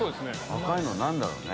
赤いの何だろうね。